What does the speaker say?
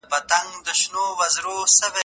مشورو د کورني ژوند په ښه والي کي مرسته وکړه.